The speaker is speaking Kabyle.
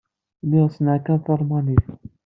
Lliɣ ssneɣ kan talmanit.